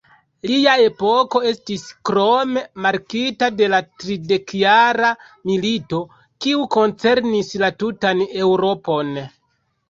Lia epoko estis krome markita de la Tridekjara milito, kiu koncernis la tutan Eŭropon.